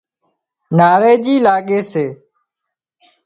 ناريڄي لاڳي سي